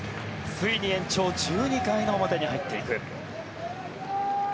ついに延長１２回の表に入っていく。